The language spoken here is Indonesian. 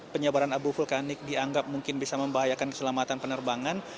penyebaran abu vulkanik dianggap mungkin bisa membahayakan keselamatan penerbangan